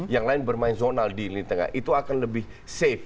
yang lain bermain zonal di lintengah itu akan lebih aman